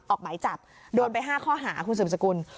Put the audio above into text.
ออกหมายจับโดนไป๕ข้อหาคุณสืบสกุล